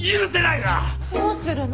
どうするの？